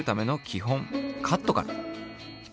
ほんカットから。